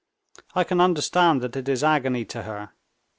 I can understand that it is agony to her.